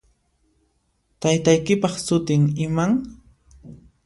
Taytaykipaq sutin iman?